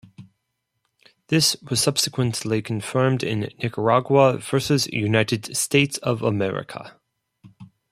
This was subsequently confirmed in "Nicaragua versus United States of America".